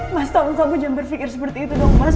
mas tolong kamu jangan berpikir seperti itu dong mas